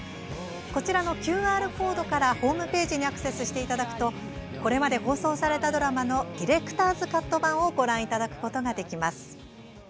こちらのＱＲコードからホームページにアクセスしていただくとこれまで放送されたドラマのディレクターズカット版をご覧いただくことができます。